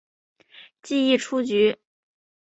记一出局。